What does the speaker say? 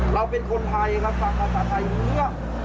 เราเป็นคนไทยครับฟังภาษาไทยเยอะ